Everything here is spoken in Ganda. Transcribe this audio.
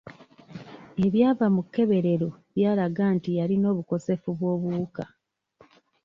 Ebyava mu kkeberero byalaga nti yalina obukosefu bw'obuwuka.